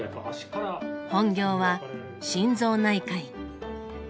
本業は心臓内科医。